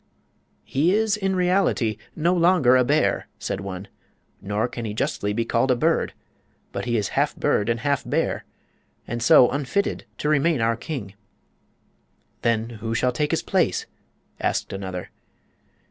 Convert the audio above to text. "He is, in reality, no longer a bear," said one; "nor can he justly be called a bird. But he is half bird and half bear, and so unfitted to remain our king." "Then who shall take his place?" asked another.